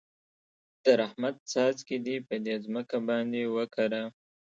د رحمت څاڅکي دې په دې ځمکه باندې وکره.